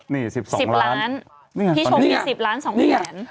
นี่สิบสองล้านสิบล้านพี่ชมมีสิบล้านสองแสน